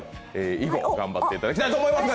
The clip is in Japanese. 以後、頑張っていただきたいと思います。